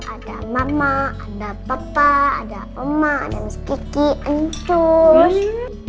ada mama ada papa ada oma ada miss kiki encush